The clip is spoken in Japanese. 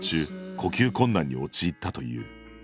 呼吸困難に陥ったという。